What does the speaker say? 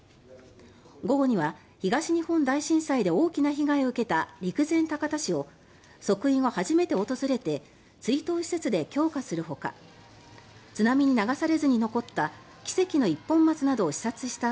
午後には東日本大震災で大きな被害を受けた陸前高田市を即位後初めて訪れて追悼施設で供花するほか津波に流されずに残った奇跡の一本松などを視察した